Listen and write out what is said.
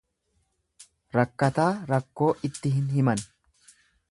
Rakkataa rakkoo itti hin himan.